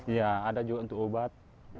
iya ada juga untuk obat